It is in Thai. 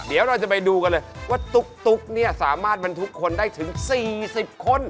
เดี๋ยวเราจะไปดูกันเลยว่าตุ๊กเนี่ยสามารถบรรทุกคนได้ถึง๔๐คน